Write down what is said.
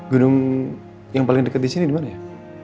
gunung yang paling deket disini dimana ya